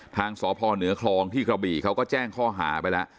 ทางสพเหนือคลองที่กระบี่เขาก็แจ้งข้อหาไปแล้ว